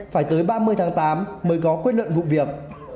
phải tới ba mươi tháng tám mới có kết luận vụ việc